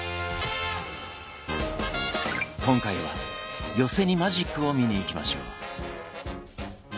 今回は寄席にマジックを見に行きましょう。